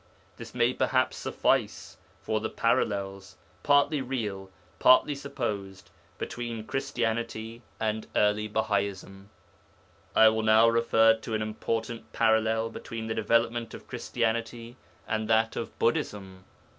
This may perhaps suffice for the parallels partly real, partly supposed between early Christianity and early Bahaism. I will now refer to an important parallel between the development of Christianity and that of Buddhism.